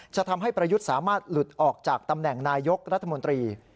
ทำให้ประยุทธ์สามารถหลุดออกจากตำแหน่งนายกรัฐมนตรี